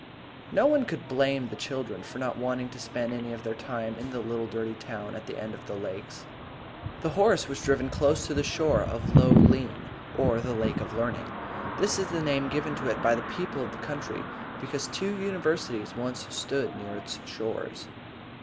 No one could blame the children for not wanting to spend any of their time in the little dirty town at the end of the lakes. The horse was driven close to the shore of Lough Lean, or the Lake of Learning. This is the name given it by the people of the country because two universities once stood near its shores.